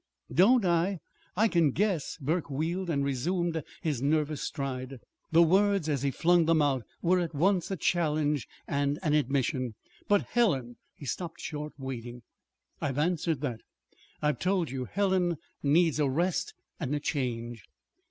"Don't I? I can guess." Burke wheeled and resumed his nervous stride. The words, as he flung them out, were at once a challenge and an admission. "But Helen " He stopped short, waiting. "I've answered that. I've told you. Helen needs a rest and a change."